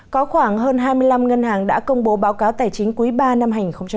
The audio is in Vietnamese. có khoảng hơn hai mươi năm ngân hàng đã công bố báo cáo tài chính quý ba năm hai nghìn hai mươi